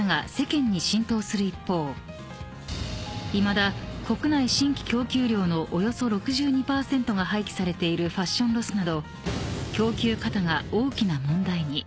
［いまだ国内新規供給量のおよそ６２％が廃棄されているファッションロスなど］